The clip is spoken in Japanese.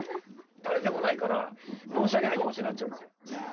誰でもないから申し訳ない気持ちになっちゃうんですよ。